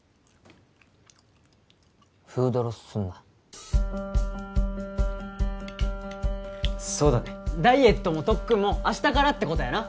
フードロスすんなそうだねダイエットも特訓も明日からってことやな